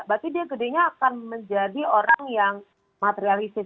berarti dia gedenya akan menjadi orang yang materialistis